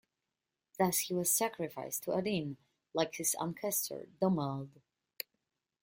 Thus he was sacrificed to Odin, like his ancestor Domalde.